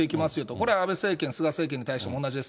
これ、安倍政権、菅政権に対しても同じです。